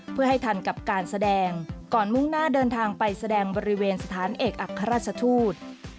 เพื่อให้ทันกับการแสดงก่อนมุ่งหน้าเดินทางไปแสดงบริเวณสถานเอกอัครราชทูต